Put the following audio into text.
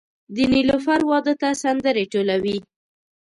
د نیلوفر واده ته سندرې ټولوي